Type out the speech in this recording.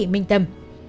và chị minh tâm